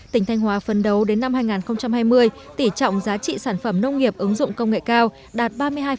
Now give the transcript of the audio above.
tỉnh thanh hóa phân đấu đến năm hai nghìn hai mươi tỉ trọng giá trị sản phẩm nông nghiệp ứng dụng công nghệ cao đạt ba mươi hai